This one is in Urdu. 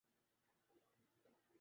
اس حکومت کے زعما کا عجیب وتیرہ ہے۔